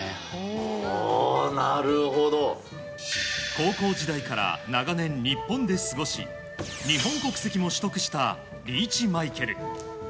高校時代から長年、日本で過ごし日本国籍も取得したリーチマイケル。